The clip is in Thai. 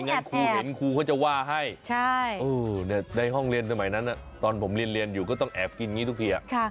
งั้นครูเห็นครูเขาจะว่าให้ในห้องเรียนสมัยนั้นตอนผมเรียนอยู่ก็ต้องแอบกินอย่างนี้ทุกที